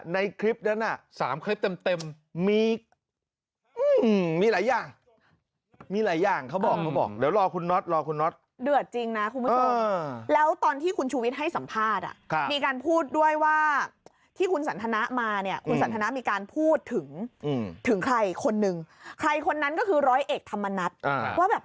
นะครับเพราะเขาบอกว่าในคลิปนั้นน่ะ